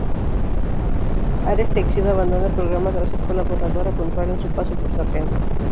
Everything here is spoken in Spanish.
Ares Teixidó abandona el programa tras ser colaboradora puntual en su paso por "Zapeando".